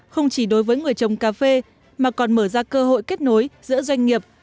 không chỉ đối với người trồng cà phê mà còn mở ra cơ hội kết nối giữa doanh nghiệp